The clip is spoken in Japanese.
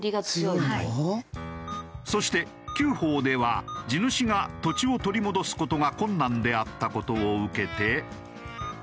そして旧法では地主が土地を取り戻す事が困難であった事を受けて。